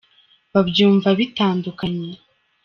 babyumva bitandukanye.